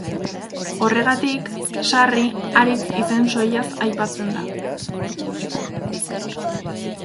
Horregatik, sarri haritz izen soilaz aipatzen da.